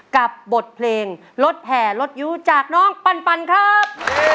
กับบทเพลงรถแห่รถยู้จากน้องปันครับ